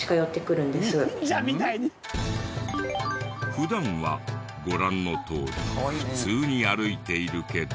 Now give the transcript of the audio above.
普段はご覧のとおり普通に歩いているけど。